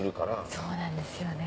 そうなんですよね。